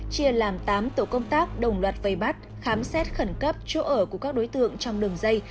chia làm tám tổ công tác đồng loạt vây bắt khám xét khẩn cấp chỗ ở của các đối tượng trong đường dây